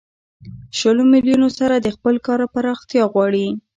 شلو میلیونو سره د خپل کار پراختیا غواړي